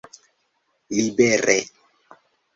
libere